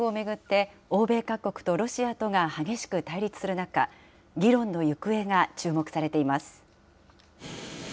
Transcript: ウクライナ侵攻を巡って、欧米各国とロシアとが激しく対立する中、議論の行方が注目されています。